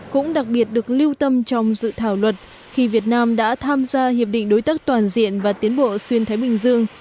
cũng đặc biệt được lưu tâm trong dự thảo luật khi việt nam đã tham gia hiệp định đối tác toàn diện và tiến bộ xuyên thái bình dương